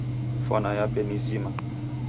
Fwana yape ni zima.